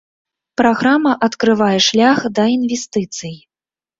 Праграма адкрывае шлях да інвестыцый.